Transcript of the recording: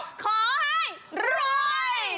ขอให้รวย